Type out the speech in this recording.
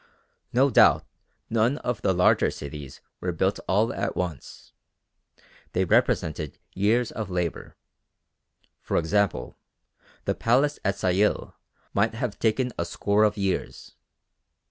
No doubt none of the larger cities were built all at once. They represented years of labour. For example the Palace at Sayil might have taken a score of years.